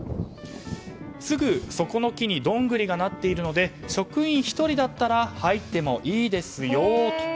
すぐそこの木にどんぐりがなっているので職員１人だったら入ってもいいですよと。